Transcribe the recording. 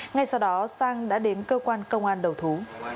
ngay sau đó sang đã đến cơ quan công an đầu thú